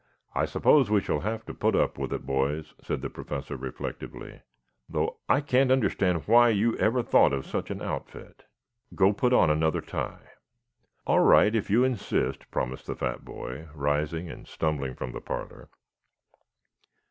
"I suppose we shall have to put up with it, boys," said the Professor reflectively, "though I can't understand why you ever thought of such an outfit. Go put on another tie." "All right, if you insist," promised the fat boy, rising and stumbling from the parlor.